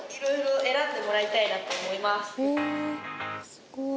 すごい。